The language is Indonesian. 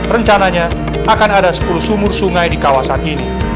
rencananya akan ada sepuluh sumur sungai di kawasan ini